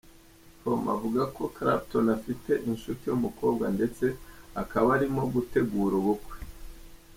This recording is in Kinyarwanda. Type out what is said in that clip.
com avuga ko Clapton afite inshuti y’umukobwa ndetse akaba arimo gutegura ubukwe.